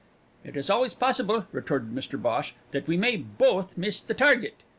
"It is always barely possible," retorted Mr Bhosh, "that we may both miss the target!"